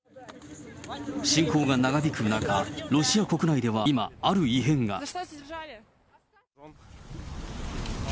侵攻が長引く中、ロシア国内では今、ある異変が。